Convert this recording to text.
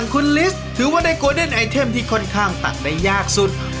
คนที่ได้กิโลทองน้อยที่สุด